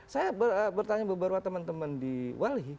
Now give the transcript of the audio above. saya bertanya beberapa teman teman di wali